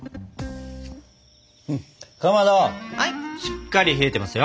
かまどしっかり冷えてますよ。